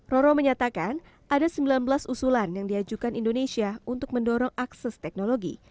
roro menyatakan ada sembilan belas usulan yang diajukan indonesia untuk mendorong akses teknologi